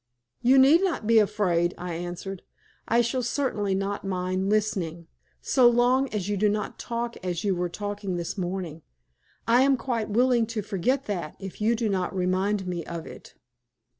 "You need not be afraid," I answered. "I shall certainly not mind listening so long as you do not talk as you were talking this morning. I am quite willing to forget that if you do not remind me of it."